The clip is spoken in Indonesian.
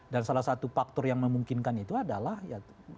dan salah satu faktor yang memungkinkan itu adalah ya